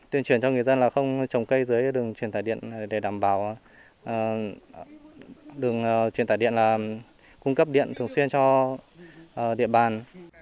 tuyên truyền cho người dân là không trồng cây dưới đường truyền tải điện để đảm bảo đường truyền tải điện là cung cấp điện thường xuyên cho địa bàn